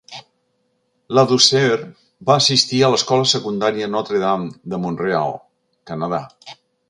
Ladouceur va assistir a l'escola secundària Notre Dame de Mont-real (Canadà).